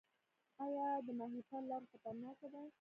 آیا د ماهیپر لاره خطرناکه ده؟